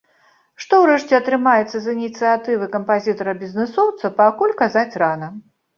Што ўрэшце атрымаецца з ініцыятывы кампазітара-бізнэсоўца, пакуль казаць рана.